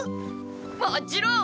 もちろん。